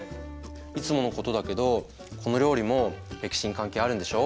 いつものことだけどこの料理も歴史に関係あるんでしょう？